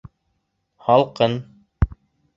Һалҡын